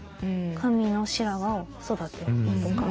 髪の白髪を育てるとか。